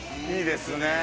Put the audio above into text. いいですね。